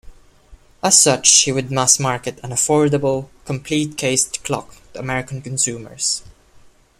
As such he would mass market an affordable, complete cased-clock to American consumers.